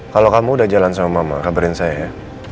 kalau kamu udah jalan sama mama kabarin saya ya